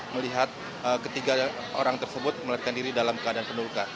melihat ketiga orang tersebut melarikan diri dalam keadaan penuh luka